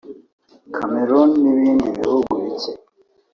Cameroun nibindi bihugu bike